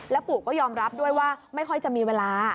ปู่ก็ยอมรับด้วยว่าไม่ค่อยจะมีเวลา